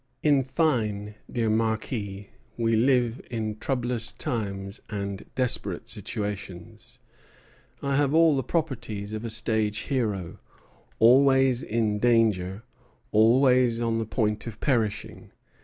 In fine, dear Marquis, we live in troublous times and desperate situations. I have all the properties of a stage hero; always in danger, always on the point of perishing."